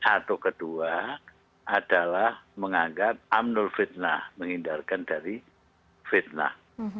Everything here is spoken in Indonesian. atau kedua adalah menganggap amnul fitnah menghindarkan dari fitnah